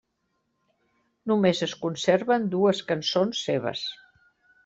Només es conserven dues cançons seves.